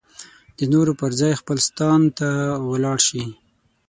د نورو پر ځای خپل ستان ته ولاړ شي.